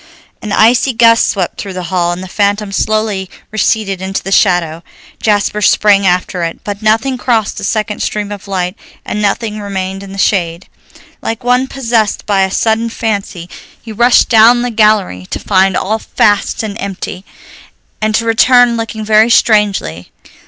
An icy gust swept through the hall, and the phantom slowly receded into the shadow. Jasper sprang after it, but nothing crossed the second stream of light, and nothing remained in the shade. Like one possessed by a sudden fancy he rushed down the gallery to find all fast and empty, and to return looking very strangely.